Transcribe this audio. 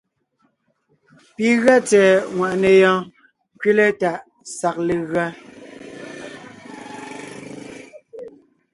Pi gʉa tsɛ̀ɛ ŋwàʼne yɔɔn ńkẅile tàʼ sag legʉa.